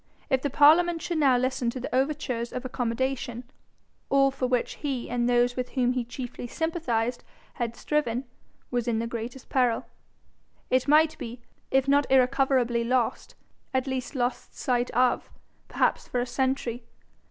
If the parliament should now listen to overtures of accommodation, all for which he and those with whom he chiefly sympathised had striven, was in the greatest peril, and might be, if not irrecoverably lost, at least lost sight of, perhaps for a century.